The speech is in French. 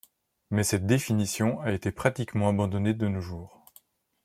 Mais cette définition a été pratiquement abandonnée de nos jours.